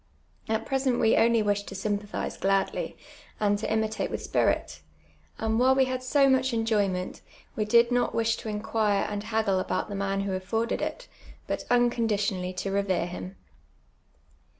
At j)resent we only wished to sympathize t^ladly, and to imitate with spirit, and while we had so much enjoyment, we did not wish to inquire and hap^fj^le about the man who afforded it, but imconditionally to revere him.